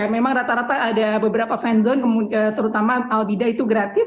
memang rata rata ada beberapa fan zone terutama albida itu gratis